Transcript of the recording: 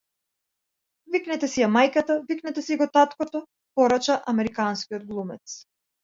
Викнете си ја мајката, викнете си го таткото, порача американскиот глумец.